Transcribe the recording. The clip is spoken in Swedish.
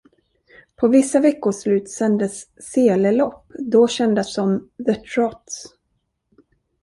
På vissa veckoslut sändes sele-lopp, då kända som "the trots".